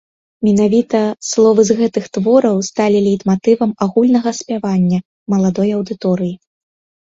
Менавіта словы з гэтых твораў сталі лейтматывам агульнага спявання маладой аўдыторыі.